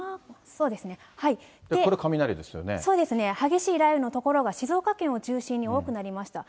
そうですね、激しい雷雨の所が静岡県を中心に多くなりました。